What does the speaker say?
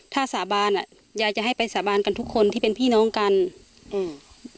ถ้าสาบานอ่ะยายจะให้ไปสาบานกันทุกคนที่เป็นพี่น้องกันอืม